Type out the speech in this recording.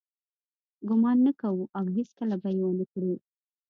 ګمان نه کوو او هیڅکله به یې ونه کړو.